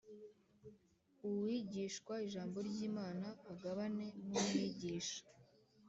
Uwigishwa ijambo ry Imana agabane n umwigisha